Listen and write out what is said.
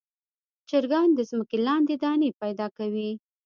چرګان د ځمکې لاندې دانې پیدا کوي.